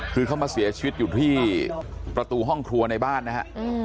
คือเขามาเสียชีวิตอยู่ที่ประตูห้องครัวในบ้านนะฮะ